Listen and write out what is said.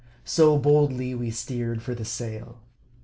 So, boldly we steer ed for the sail.